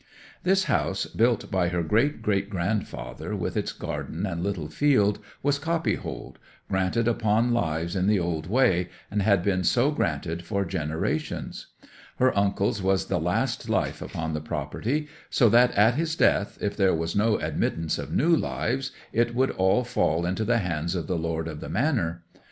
'This house, built by her great great grandfather, with its garden and little field, was copyhold—granted upon lives in the old way, and had been so granted for generations. Her uncle's was the last life upon the property; so that at his death, if there was no admittance of new lives, it would all fall into the hands of the lord of the manor.